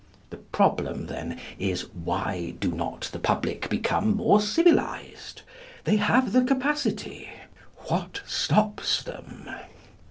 The problem then is, why do not the public become more civilised? They have the capacity. What stops them?